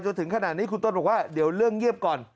จนถึงขนาดนี้คุณต้นบอกว่าเดี๋ยวเรื่องเงียบก่อน